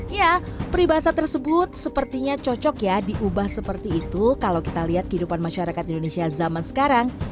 ya peribahasa tersebut sepertinya cocok ya diubah seperti itu kalau kita lihat kehidupan masyarakat indonesia zaman sekarang